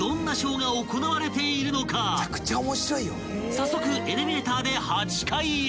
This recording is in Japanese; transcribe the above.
［早速エレベーターで８階へ］